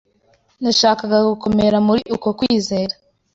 Nashakaga gukomera muri uko kwizera